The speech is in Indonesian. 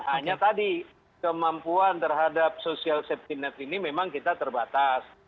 hanya tadi kemampuan terhadap social safety net ini memang kita terbatas